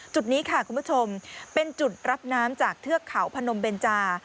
จุดนี้ค่ะคุณผู้ชมเป็นจุดรับน้ำจากเทือกเขาพนมเบนจา